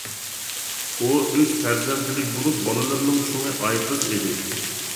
ئۇ ئۇچ پەرزەنتلىك بولۇپ، بالىلىرىنىڭ چوڭى ئايقىز ئىدى.